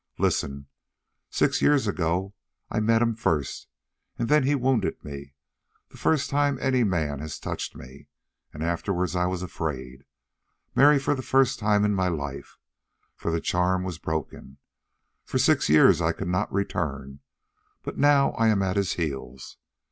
Listen: six years ago I met him first and then he wounded me the first time any man has touched me. And afterward I was afraid, Mary, for the first time in my life, for the charm was broken. For six years I could not return, but now I am at his heels.